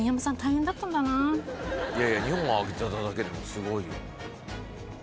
いやいや２本当てただけでもすごいよ。